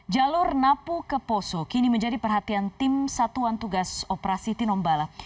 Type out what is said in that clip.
jalur napu ke poso kini menjadi perhatian tim satuan tugas operasi tinombala